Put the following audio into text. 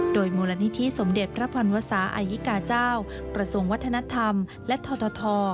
โดยมูลนิธิสมเด็จพระพรวศาอายิกาเจ้ากระทรวงวัฒนธรรมและทท